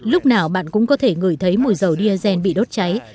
lúc nào bạn cũng có thể ngửi thấy mùi dầu diesel bị đốt cháy